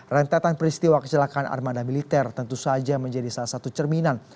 rentetan peristiwa kecelakaan armada militer tentu saja menjadi salah satu cerminan